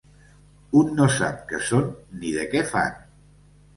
Un no sap què són ni de què fan